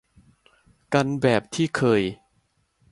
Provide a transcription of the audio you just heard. กันแบบที่เคย